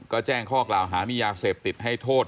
ก็แจ้งข้อกล่าวหามียาเสพติดให้โทษ